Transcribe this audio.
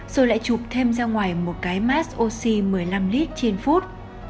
rồi lại chụp thêm ra ngoài một cái mas oxy một mươi năm lít trên phút